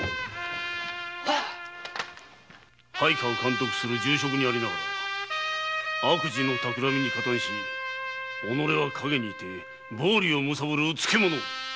配下を監督する重職にありながら悪事のたくらみに加担し己は陰に居て暴利をむさぼるうつけ者！